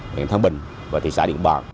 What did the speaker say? miền thăng bình và thị xã điện bàng